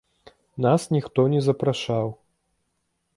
Нас ніхто не запрашаў.